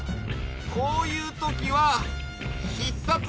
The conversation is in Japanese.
こういうときはひっさつ！